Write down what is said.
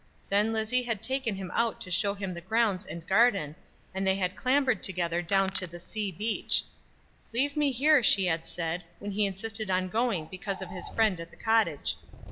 Then Lizzie had taken him out to show him the grounds and garden, and they had clambered together down to the sea beach. "Leave me here," she had said, when he insisted on going because of his friend at the Cottage.